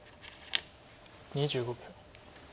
２５秒。